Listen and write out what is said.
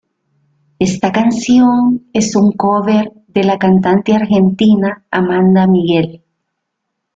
Esta canción es un cover de la cantante argentina Amanda Miguel.